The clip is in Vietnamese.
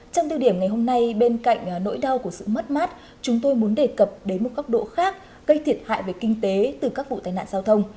trong điều điểm ngày hôm nay bên cạnh nỗi đau của sự mất mát chúng tôi muốn đề cập đến một góc độ khác gây thiệt hại về kinh tế từ các vụ tai nạn giao thông